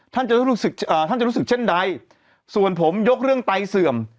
ท่านจะรู้สึกอ่าท่านจะรู้สึกเช่นใดส่วนผมยกเรื่องไตเสื่อม